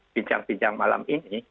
bincang bincang malam ini